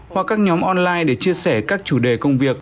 hoặc các nhóm online để chia sẻ các chủ đề công việc